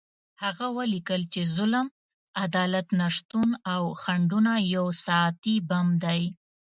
هغه ولیکل چې ظلم، عدالت نشتون او خنډونه یو ساعتي بم دی.